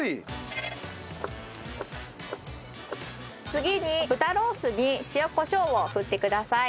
次に豚ロースに塩コショウを振ってください。